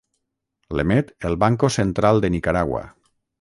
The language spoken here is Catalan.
L'emet el Banco Central de Nicaragua.